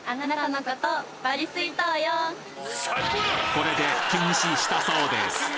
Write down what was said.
これでキュン死したそうです